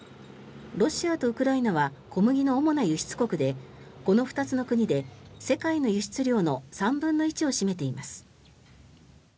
ロシアとウクライナは小麦の主な輸出国でこの２つの国で世界の輸出量の３分の１を占めています。